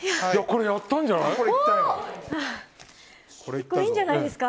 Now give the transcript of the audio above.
これ、やったんじゃない？